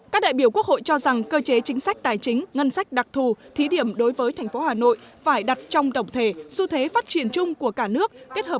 các đại biểu quốc hội cho rằng cơ chế chính sách tài chính ngân sách đặc thù thí điểm đối với thành phố hà nội phải đặt trong tổng thể xu thế phát triển chung của cả nước